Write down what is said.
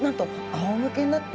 あおむけになって？